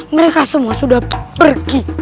mereka semua sudah pergi